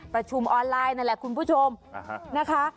ประชุมออนไลน์นั่นแหละคุณผู้ชมนะคะ